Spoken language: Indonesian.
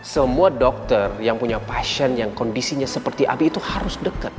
semua dokter yang punya pasien yang kondisinya seperti abi itu harus dekat